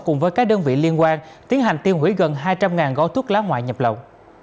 cùng với các đơn vị liên quan tiến hành tiêu hủy gần hai trăm linh gói thuốc lá ngoại nhập lậu